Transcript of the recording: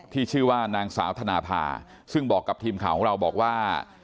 ชื่อว่านางสาวธนาภาซึ่งบอกกับทีมข่าวของเราบอกว่า